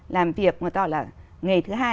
làm việc người ta gọi là nghề thứ hai